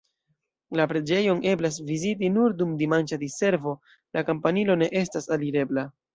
La preĝejon eblas viziti nur dum dimanĉa diservo, la kampanilo ne estas alirebla.